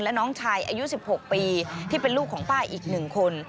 และน้องชายอายุ๑๖ปีที่เป็นลูกของป้าอีก๑คน